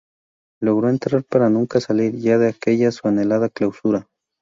Logró entrar para nunca salir ya de aquella su anhelada clausura.